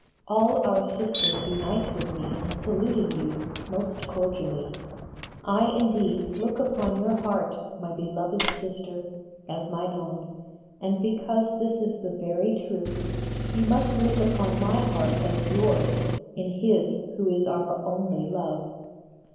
All our Sisters unite with me in saluting you most cordially. I, indeed, look upon your heart, my beloved Sister, as mine own, and because this is the very truth you must look upon my heart as yours in His who is our only Love.